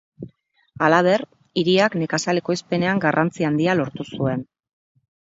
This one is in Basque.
Halaber, hiriak nekazal ekoizpenean garrantzi handia lortu zuen.